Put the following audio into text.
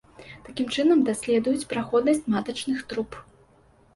Такім чынам даследуюць праходнасць матачных труб.